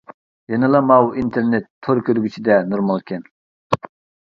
يەنىلا ماۋۇ ئىنتېرنېت تور كۆرگۈچىدە نورمالكەن.